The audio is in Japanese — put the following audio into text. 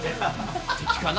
敵かな？